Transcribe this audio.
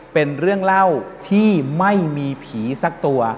เป็นเรื่องเล่าที่ไม่มีผีสักตัว